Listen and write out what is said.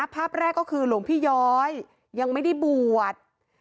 ภาพแรกก็คือหลวงพี่ย้อยยังไม่ได้บวช